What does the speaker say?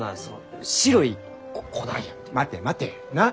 待て待て。なあ。